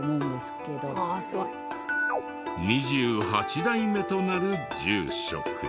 ２８代目となる住職。